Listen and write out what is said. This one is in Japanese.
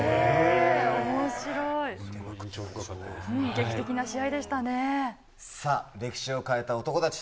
おもしろい、劇的な試合でしさあ、歴史を変えた男たち。